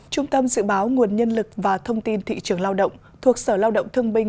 trung tâm dự báo nguồn nhân lực và thông tin thị trường lao động thuộc sở lao động thương binh